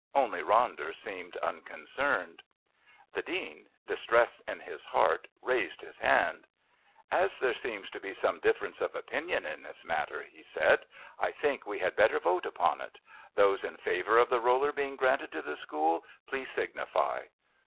Only Ronder seemed unconcerned. The Dean, distress in his heart, raised his hand. "As there seems to be some difference of opinion in this matter," he said, "I think we had better vote upon it. Those in favour of the roller being granted to the School please signify."